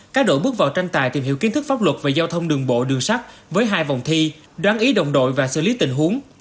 các đội bước vào tranh tài tìm hiểu kiến thức pháp luật về giao thông đường bộ đường sắt với hai vòng thi đoán ý đồng đội và xử lý tình huống